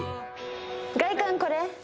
外観これ。